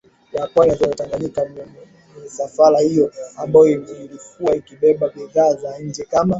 ya pwani na Ziwa Tanganyika Misafara hiyo ambayo ilikuwa ikibeba bidhaa za nje kama